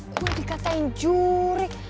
kok dikatain jurik